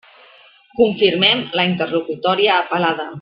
Confirmem la interlocutòria apel·lada.